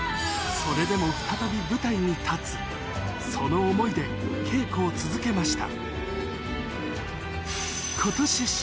それでも再び舞台に立つその思いで稽古を続けました